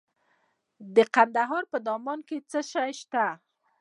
د کندهار په دامان کې څه شی شته؟